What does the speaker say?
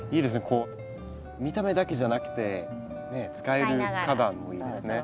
こう見た目だけじゃなくて使える花壇もいいですね。